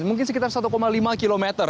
mungkin sekitar satu lima km